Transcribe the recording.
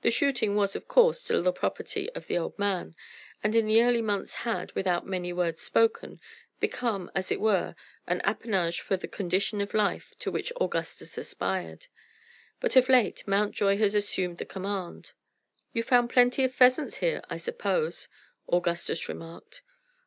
The shooting was of course still the property of the old man, and in the early months had, without many words spoken, become, as it were, an appanage of the condition of life to which Augustus aspired; but of late Mountjoy had assumed the command. "You found plenty of pheasants here, I suppose," Augustus remarked.